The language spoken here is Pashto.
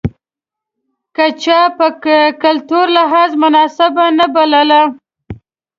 که چا په کلتوري لحاظ مناسبه نه بلله.